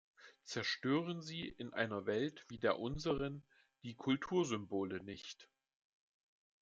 Zerstören Sie in einer Welt wie der unseren die Kultursymbole nicht.